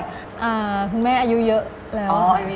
คุณแม่อายุเยอะแล้ว